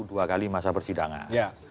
dua kali masa persidangan